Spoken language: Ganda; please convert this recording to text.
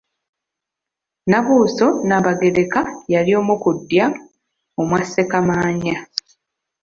Nnabuuso Nnaabagereka yali omu mu ddya omwa Ssekamaanya.